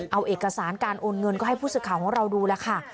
เอาเอกสารการโอนเงินก็ให้ผู้สื่อข่าวของเราดูแล้วค่ะ